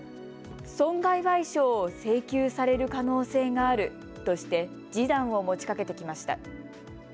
損害賠償を請求される可能性があるとして示談を持ちかけてきました。